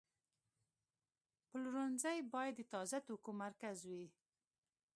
پلورنځی باید د تازه توکو مرکز وي.